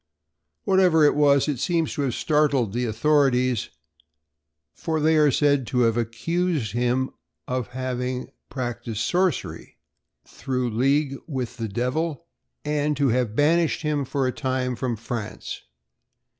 Whatever it was, it seems to have startled the authorities, for they are said to have accused him of having practiced sorcery through league with the devil, and to have banished him for a time from France.